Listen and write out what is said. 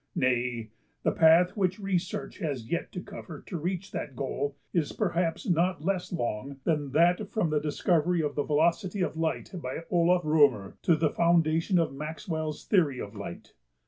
Nay, the path which research has yet to cover to reach that goal is perhaps not less long than that from the discovery of the velocity of light by Olaf R\"{o}mer to the foundation of Maxwell's theory of light.